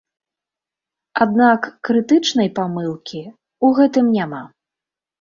Аднак крытычнай памылкі ў гэтым няма.